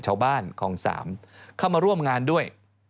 ชาวบ้านของสามเข้ามาร่วมงานด้วย